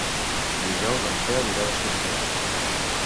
Dijous en Quel irà d'excursió.